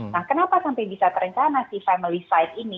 nah kenapa sampai bisa terencana sih family service